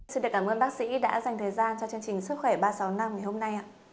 xin được cảm ơn bác sĩ đã dành thời gian cho chương trình sức khỏe ba trăm sáu mươi năm ngày hôm nay